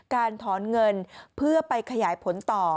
การถอนเงินเพื่อไปขยายผลต่อ